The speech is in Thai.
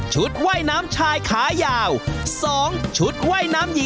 ใช้ตัวช่วยด้วยโอ้โฮเสียดาย